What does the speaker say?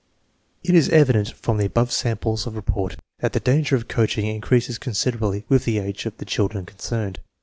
It is evident from the above samples of report that the danger of coaching increases considerably with the age of the children concerned.